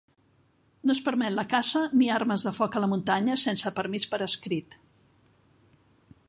No es permet la caça ni armes de foc a la muntanya sense permís per escrit.